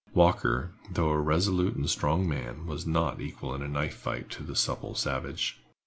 Walker, though a resolute and strong man, was not equal in a knife fight to the supple savage.